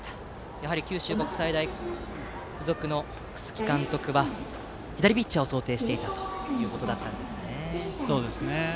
やはり九州国際大付属の楠城監督は左ピッチャーを想定していたということだったんですね。